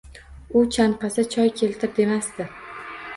U chanqasa, choy keltir, demasdi.